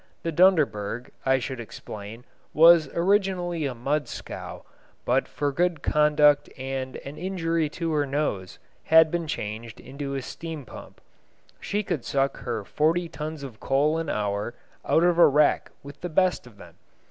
The Dunderberg, I should explain, was originally a mud scow, but for good conduct and an injury to her nose had been changed into a steam pump. She could suck her forty tons of coal an hour out of a wreck with the best of them.